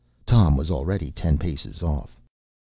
Tom was already ten paces off.